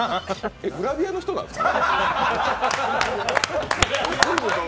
えっ、グラビアの人なんですか？